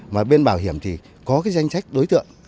mà bên bảo hiểm thì có cái danh sách đối tượng